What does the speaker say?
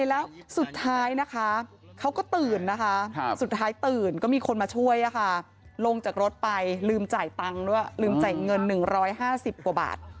แล้วสุดท้ายนะคะเขาก็ตื่นนะคะสุดท้ายตื่นก็มีคนมาช่วยลงจากรถไปลืมจ่ายตังค์ด้วยลืมจ่ายเงิน๑๕๐กว่าบาท